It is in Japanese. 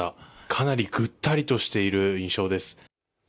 かなりぐったりとしている印象です。